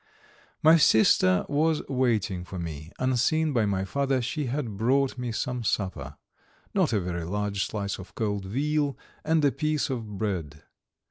My sister was waiting for me. Unseen by my father, she had brought me some supper: not a very large slice of cold veal and a piece of bread.